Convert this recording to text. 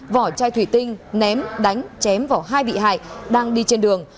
vỏ chai thủy tinh ném đánh chém vào hai bị hại đang đi trên đường